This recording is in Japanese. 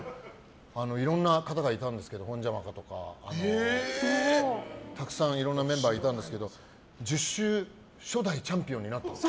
いろんな方がいたんですけどホンジャマカとかたくさんいろんなメンバーがいたんですけど１０週、初代チャンピオンになったんです。